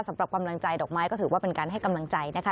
สำหรับกำลังใจดอกไม้ก็ถือว่าเป็นการให้กำลังใจนะคะ